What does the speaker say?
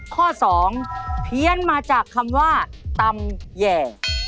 ข้อ๒เพี้ยนมาจากคำว่าตำแหย่